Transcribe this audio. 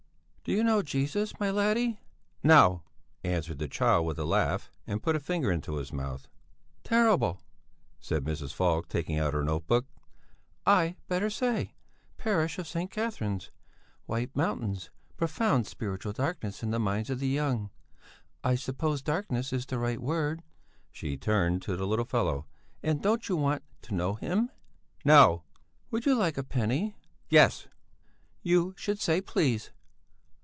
"Do you know Jesus, my laddie?" "No," answered the child with a laugh, and put a finger into his mouth. "Terrible!" said Mrs. Falk, taking out her note book. "I'd better say: Parish of St. Catherine's. White Mountains. Profound spiritual darkness in the minds of the young. I suppose darkness is the right word?" She turned to the little fellow: "And don't you want to know him?" "No!" "Would you like a penny?" "Yes!" "You should say please!